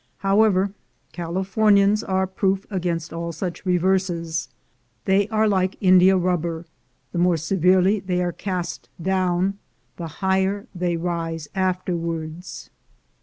However, Cali fornians are proof against all such reverses, — they are like India rubber, the more severely they are cast down, the higher they rise afterwards.